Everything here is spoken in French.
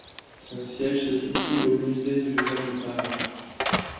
Son siège se situe au musée du Vin de Paris.